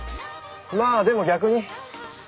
まあでも逆に。